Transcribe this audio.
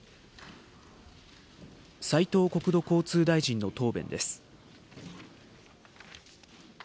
斉藤国土交通大臣の答弁です。